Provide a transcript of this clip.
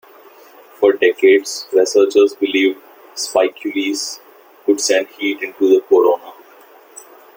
For decades, researchers believed spicules could send heat into the corona.